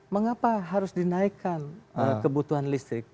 mengapa harus dinaikkan kebutuhan listrik